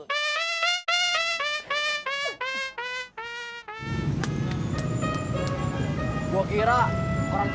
anaknya saya mau kepo